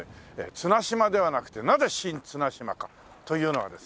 綱島ではなくてなぜ新綱島かというのはですね